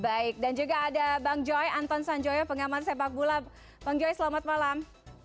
baik dan juga ada bang joy anton sanjoyo pengaman sepak bola bang joy selamat malam